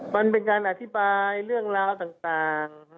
มันเป็นการอธิบายเรื่องราวต่าง